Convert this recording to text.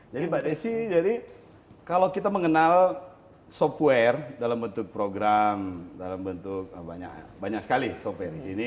jadi mbak desi jadi kalau kita mengenal software dalam bentuk program dalam bentuk banyak sekali software ini